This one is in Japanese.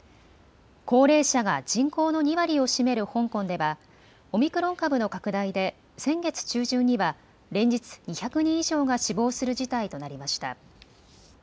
高齢者が人口の２割を占める香港ではオミクロン株の拡大で先月中旬には連日２００人以上が死亡する事態となりました。